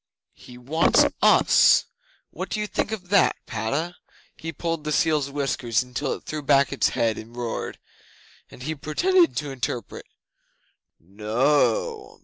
'"He wants us! What do you think of that, Padda?" He pulled the seal's whiskers till it threw back its head and roared, and he pretended to interpret. "No!